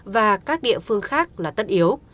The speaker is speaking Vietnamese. và các địa phương khác là tất yếu